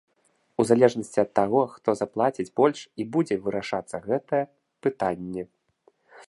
У залежнасці ад таго, хто заплаціць больш, і будзе вырашацца гэта пытанне.